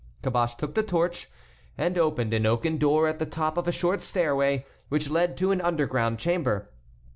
Caboche took the torch and opened an oaken door at the top of a short stairway, which led to an underground chamber.